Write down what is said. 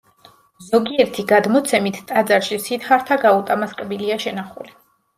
ზოგიერთი გადმოცემით, ტაძარში სიდჰართა გაუტამას კბილია შენახული.